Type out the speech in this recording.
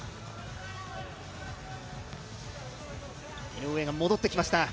井上が戻ってきました。